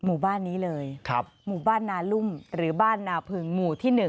หมู่บ้านนี้เลยหมู่บ้านนารุ่มหรือบ้านนาพึงหมู่ที่๑